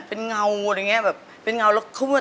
เป็นเงามทำตัวเราอ่ะ